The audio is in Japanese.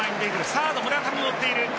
サード・村上が追っている。